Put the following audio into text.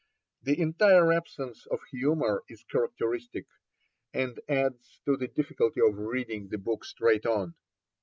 The entire absence of humour is characteristic, and adds to the difficulty of reading the book straight on.